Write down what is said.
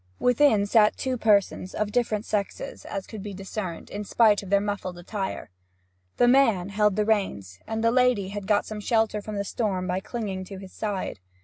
Within sat two persons, of different sexes, as could soon be discerned, in spite of their muffled attire. The man held the reins, and the lady had got some shelter from the storm by clinging close to his side.